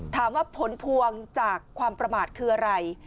ถามว่าผลพวงจากความประมาทคืออะไร